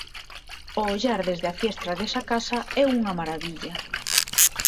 O ollar dende a fiestra desa casa é unha marabilla